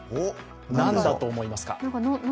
何だと思いますか？